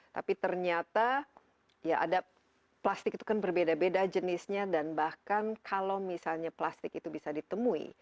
tapi ternyata ya ada plastik itu kan berbeda beda jenisnya dan bahkan kalau misalnya plastik itu bisa ditemui